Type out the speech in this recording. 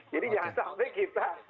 jadi jangan sampai kita